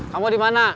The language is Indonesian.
kamu di mana